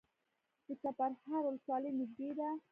د چپرهار ولسوالۍ نږدې ده